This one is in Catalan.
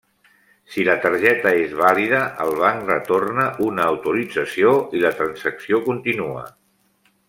Si la targeta és vàlida, el banc retorna una autorització i la transacció continua.